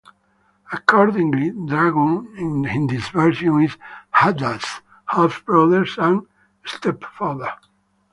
Accordingly, Dagon in this version is Hadad's half-brother and stepfather.